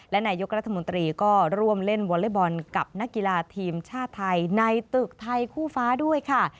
และนายกรัฐมนตรีก็ร่วมเล่นวอเล็กบอลกับนักกีฬาทีมชาติไทยในตึกไทยคู่ฟ้าด้วยค่ะ